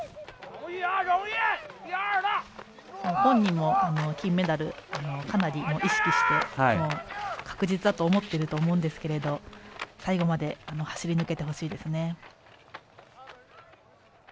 本人も金メダルかなり意識して確実だと思っていると思うんですけれども最後まで、走り抜けてほしいです。